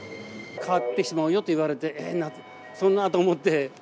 変わってしまうよって言われて、ええ、そんなと思って。